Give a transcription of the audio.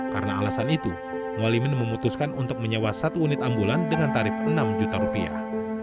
karena alasan itu mualimin memutuskan untuk menyewa satu unit ambulan dengan tarif enam juta rupiah